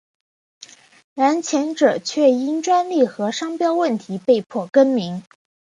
然前者却因专利与商标问题被迫更名。